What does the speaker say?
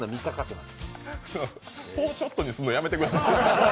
すみません、４ショットにするのやめてください。